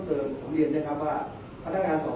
ที่อีกยังได้ออกประตูสำนวนแต่แก่ต้นไหมครับ